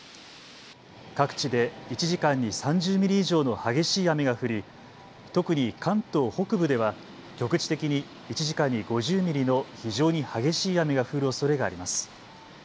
各地で１時間に３０ミリ以上の激しい雨が降り特に関東北部では局地的に１時間に５０ミリの非常に激しい雨が降るおそれがあります。